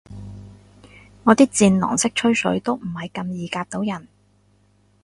我啲戰狼式吹水都唔係咁易夾到人